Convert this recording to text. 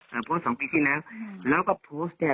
สมมุติ๒ปีที่แล้วแล้วก็โพสต์เนี่ย